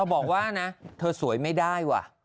บอกว่านะเธอสวยไม่ได้ว่ะ